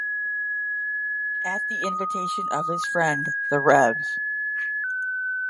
At the invitation of his friend the Rev.